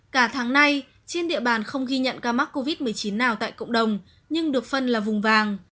cả tháng nay trên địa bàn không ghi nhận ca mắc covid một mươi chín nào tại cộng đồng nhưng được phân là vùng vàng